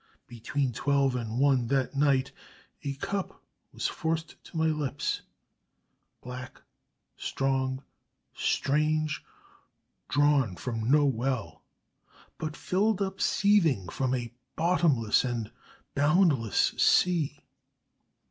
Between twelve and one that night a cup was forced to my lips, black, strong, strange, drawn from no well, but filled up seething from a bottomless and boundless sea.